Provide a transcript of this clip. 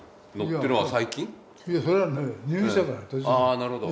あなるほど。